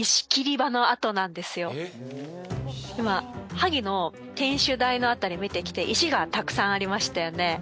萩の天守台の辺り見てきて石がたくさんありましたよね。